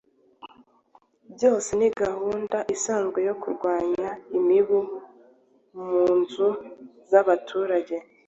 byose ni gahunda isanzwe yo kurwanya imibu mu nzu z'abaturage.